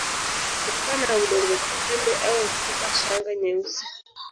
kutokana na udongo pembe au mfupa Shanga nyeusi